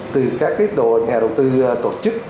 từ các cái nhà đầu tư tổ chức